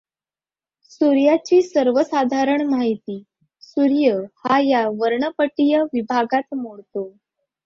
सूर्याची सर्वसाधारण माहिती सूर्य हा या वर्णपटीय विभागात मोडतो.